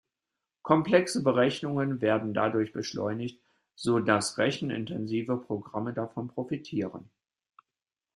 Komplexe Berechnungen werden dadurch beschleunigt, so dass rechenintensive Programme davon profitieren.